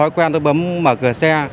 tôi quen tôi bấm mở cửa xe